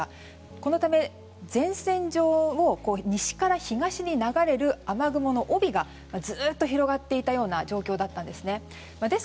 このため、前線上西から東に流れる雨雲の帯がずっと広がっていたような状況だったんです。